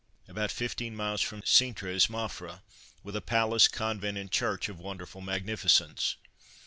About 15 miles from Cintra is Mafra, with a palace, convent, and church of wonderful magnificence.